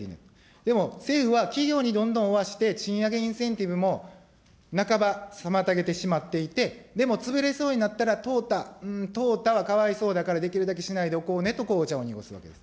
でも政府は企業にどんどん負わせて、賃上げインセンティブも半ば妨げてしまっていて、でも潰れそうになったら淘汰、うーん淘汰はかわいそうだから、できるだけしないでおこうねと、こう、お茶を濁すわけです。